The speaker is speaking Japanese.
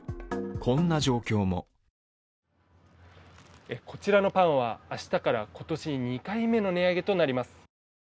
こんな状況もこちらのパンは、明日から今年２回目の値上げとなります。